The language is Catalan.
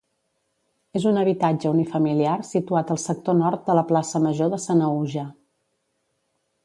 És un habitatge unifamiliar situat al sector nord de la plaça Major de Sanaüja.